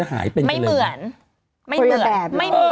อันนี้บอกเลยว่าไม่เหมือน